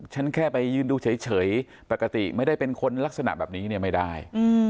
ฉันแค่ไปยืนดูเฉยปกติไม่ได้เป็นคนลักษณะแบบนี้เนี่ยไม่ได้